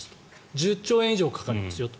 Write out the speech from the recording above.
１０兆円以上かかりますよと。